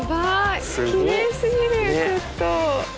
きれいすぎるちょっと。